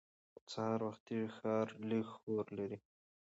سهار وختي ښار لږ شور لري